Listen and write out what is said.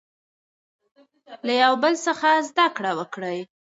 له یو بل څخه زده کړه وکړئ.